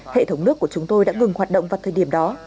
hệ thống nước của chúng tôi đã ngừng hoạt động vào thời điểm đó